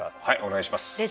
はいお願いします。